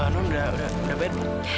nondra berapa ini